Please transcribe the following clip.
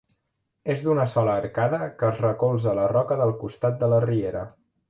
És d'una sola arcada que es recolza a la roca del costat de la riera.